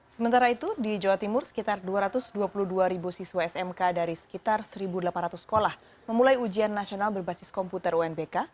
sementara itu di jawa timur sekitar dua ratus dua puluh dua siswa smk dari sekitar satu delapan ratus sekolah memulai ujian nasional berbasis komputer unbk